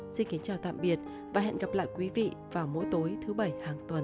xin kính chào tạm biệt và hẹn gặp lại quý vị vào mỗi tối thứ bảy hàng tuần